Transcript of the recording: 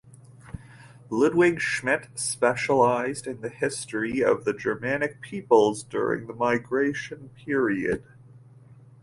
Ludwig Schmidt specialized in the history of the Germanic peoples during the Migration Period.